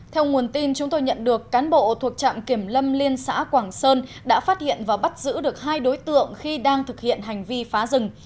theo nguồn tin chúng tôi nhận được cán bộ thuộc trạm kiểm lâm liên xã quảng sơn đã phát hiện và bắt giữ được hai đối tượng khi đang thực hiện hành vi phá rừng